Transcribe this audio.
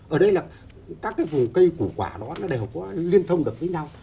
ở đây là các cái vùng cây củ quả đó nó đều có liên thông được với nhau